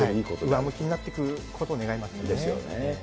上向きになっていくことを願ですよね。